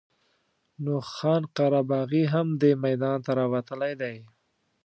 نو خان قره باغي هم دې میدان ته راوتلی دی.